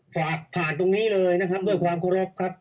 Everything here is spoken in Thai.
ฝากผ่านตรงนี้เลยนะครับด้วยความเคารพครับ